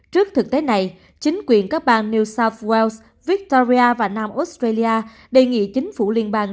trước thực tế này chính quyền các bang new south wael victoria và nam australia đề nghị chính phủ liên bang